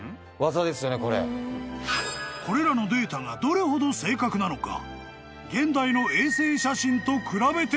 ［これらのデータがどれほど正確なのか現代の］